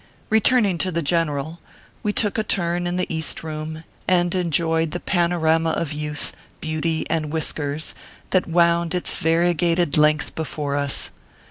Keturning to the General, we took a turn in the East Koom, and enjoyed the panorama of youth, beauty, and whiskers, that wound its variegated length before us.